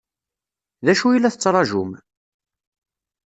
D acu i la tettṛaǧum?